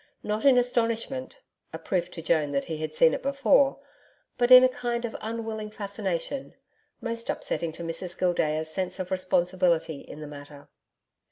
Not in astonishment a proof to Joan that he had seen it before but in a kind of unwilling fascination, most upsetting to Mrs Gildea's sense of responsibility in the matter.